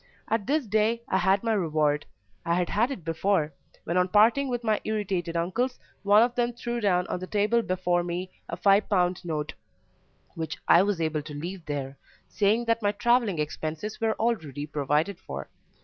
At this day I had my reward; I had had it before, when on parting with my irritated uncles one of them threw down on the table before me a 5l. note, which I was able to leave there, saying that my travelling expenses were already provided for.